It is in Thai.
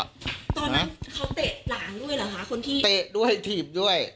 ตอนนั้นเขาเตะหลานด้วยเหรอคะคนที่เตะด้วยถีบด้วย